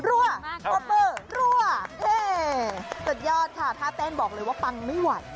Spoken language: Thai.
รั่วสุดยอดค่ะท่าเต้นบอกเลยว่าปังไม่ไหว